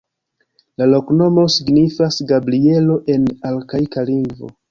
La loknomo signifas Gabrielo en arkaika lingvo.